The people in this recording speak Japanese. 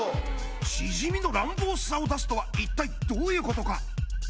しじみの乱暴さを出すとは一体どういうことか？